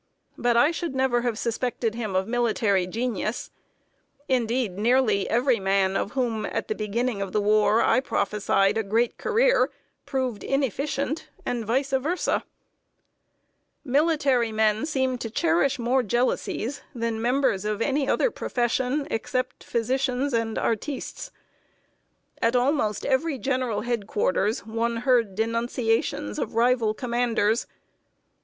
But I should never have suspected him of military genius. Indeed, nearly every man of whom, at the beginning of the war, I prophesied a great career, proved inefficient, and vice versâ. [Sidenote: JEALOUSIES OF MILITARY MEN.] Military men seem to cherish more jealousies than members of any other profession, except physicians and artistes. At almost every general head quarters, one heard denunciations of rival commanders.